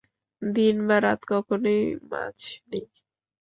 দিন বা রাত কখনই মাছ নেই।